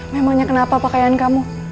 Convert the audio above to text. memangnya kenapa pakaian kamu